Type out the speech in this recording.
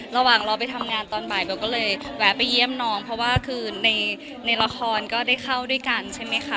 ระหว่างเราไปทำงานตอนบ่ายเบลก็เลยแวะไปเยี่ยมน้องเพราะว่าคือในละครก็ได้เข้าด้วยกันใช่ไหมคะ